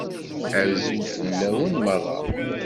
Azul fell-awen meṛṛa!